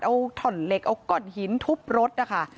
ทั่วเผาถ่อนเหล็กเอาก่อนหินทุบรถ